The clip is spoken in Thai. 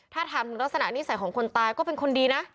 ถ้าถามถึงลักษณะนิสัยของคนตายก็เป็นคนดีนะ